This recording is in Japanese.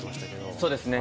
そうですね。